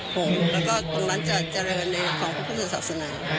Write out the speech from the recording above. หงค์แล้วก็ตรงนั้นจะเจริญในของพระพุทธศักดิ์สนาน